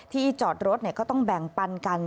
ที่จอดรถก็ต้องแบ่งปันกัน